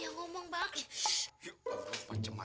gua ngomong tadi kan buat elu